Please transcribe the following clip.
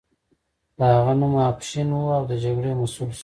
د هغه نوم افشین و او د جګړې مسؤل شو.